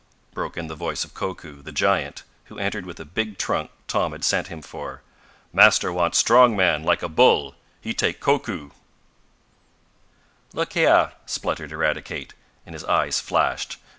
broke in the voice of Koku, the giant, who entered with a big trunk Tom had sent him for. "Master want strong man like a bull. He take Koku!" "Look heah!" spluttered Eradicate, and his eyes flashed.